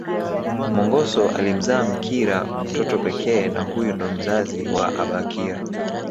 Mongoso alimzaa Mkira mtoto pekee na huyu ndo mzazi wa abakira